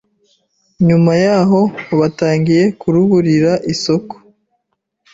nyuma yaho batangiye kuruburira isoko